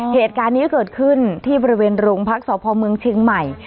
เหตุการณ์นี้เกิดขึ้นที่บริเวณโรงพักษพเมืองเชียงใหม่